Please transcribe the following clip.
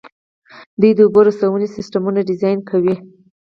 دوی د اوبو رسونې سیسټمونه ډیزاین کوي.